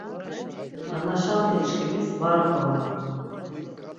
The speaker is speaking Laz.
Nanaşant̆işiçkimis var p̌orom.